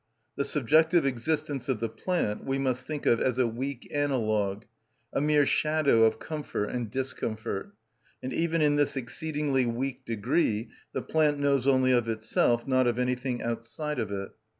The subjective existence of the plant we must think of as a weak analogue, a mere shadow of comfort and discomfort; and even in this exceedingly weak degree the plant knows only of itself, not of anything outside of it.